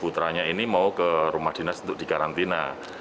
putranya ini mau ke rumah dinas untuk dikarantina